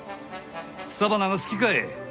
草花が好きかえ？